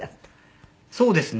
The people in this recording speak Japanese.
そうですね。